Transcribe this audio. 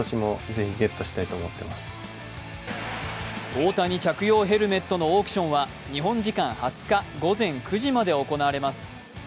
大谷着用ヘルメットのオークションは日本時間２０日午前９時まで行われます。